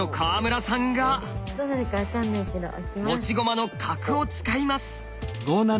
持ち駒の角を使います。